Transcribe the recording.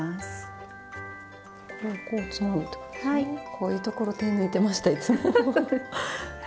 こういうところ手抜いてましたいつも。